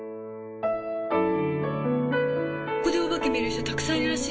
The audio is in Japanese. ここでお化け見る人たくさんいるらしいよ。